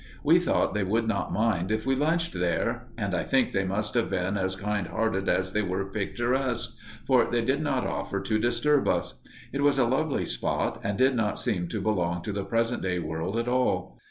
We thought they would not mind if we lunched there, and I think they must have been as kind hearted as they were picturesque, for they did not offer to disturb us. It was a lovely spot, and did not seem to belong to the present day world at all.